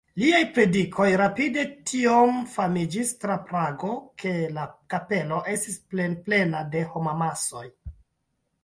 Liaj predikoj rapide tiom famiĝis tra Prago, ke la kapelo estis plenplena de homamasoj.